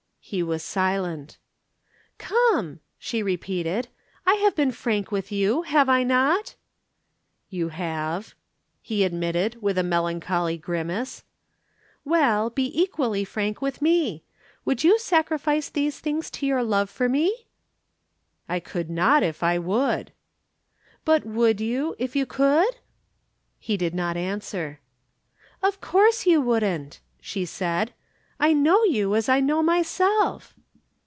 He was silent. "Come!" she repeated. "I have been frank with you, have I not!" "You have," he admitted, with a melancholy grimace. "Well, be equally frank with me. Would you sacrifice these things to your love for me?" "I could not if I would." "But would you, if you could?" He did not answer. "Of course you wouldn't," she said. "I know you as I know myself."